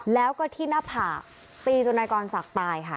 แล้วก็ที่หน้าผากตีจนนายกรศักดิ์ตายค่ะ